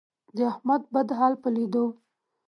د احمد بد حال په لیدو،